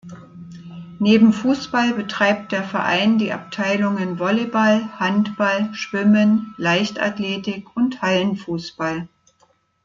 Neben Fußball betreibt der Verein die Abteilungen Volleyball, Handball, Schwimmen, Leichtathletik und Hallenfußball.